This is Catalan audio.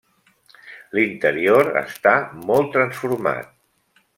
L'interior està molt transformat.